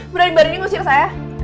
berani berani ngusir saya